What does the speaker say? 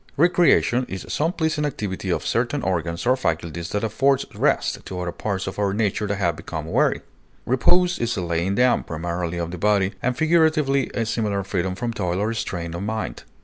Recreation is some pleasing activity of certain organs or faculties that affords rest to other parts of our nature that have become weary. Repose is a laying down, primarily of the body, and figuratively a similar freedom from toil or strain of mind.